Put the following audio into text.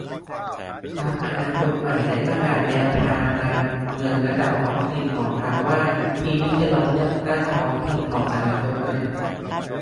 พรรคอนาคตใหม่ได้ประกาศแนวทางการเมืองระดับท้องถิ่นของพรรคว่า ทีมที่จะลงเลือกตั้งท้องถิ่น ของอนาคตใหม่